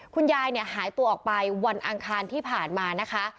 คุณยายเนี่ยหายตัวออกไปวันอังคารที่ผ่านมานะคะ